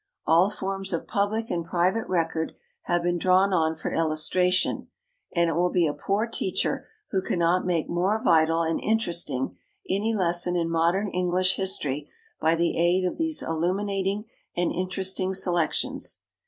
All forms of public and private record have been drawn on for illustration, and it will be a poor teacher who cannot make more vital and interesting any lesson in modern English history by the aid of these illuminating and interesting selections.